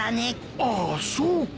ああそうか。